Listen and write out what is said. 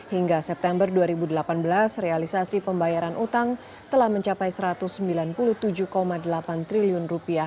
hingga september dua ribu delapan belas realisasi pembayaran utang telah mencapai rp satu ratus sembilan puluh tujuh delapan triliun